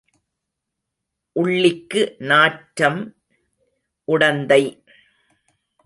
உள்ளிக்கு நாற்றம் உடந்தை.